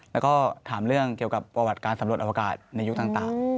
แล้วก็ถามเรื่องเกี่ยวกับประวัติการสำรวจอวกาศในยุคต่าง